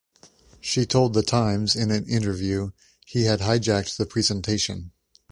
She told the "Times" in an interview, "He had hijacked the presentation.